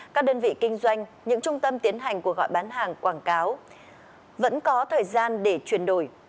các đơn vị kinh doanh những trung tâm tiến hành cuộc gọi bán hàng quảng cáo vẫn có thời gian để chuyển đổi